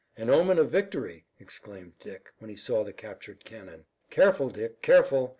"An omen of victory," exclaimed Dick, when he saw the captured cannon. "Careful, Dick! Careful!"